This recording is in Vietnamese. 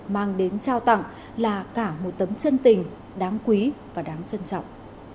mang đến trao tặng là cả một tấm chân tình đáng quý và đáng trân trọng